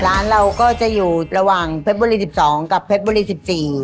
ร้านเราก็จะอยู่ระหว่างเพศบุรี๑๒กับเพศบุรี๑๔